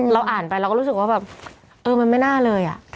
เราอ่านไปเราก็รู้สึกว่าแบบเออมันไม่น่าเลย